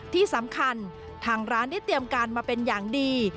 ที่สำคัญทางร้านได้เตรียมการมาเป็นอย่างดี